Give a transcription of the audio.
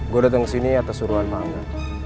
gue datang kesini atas suruhan pak angga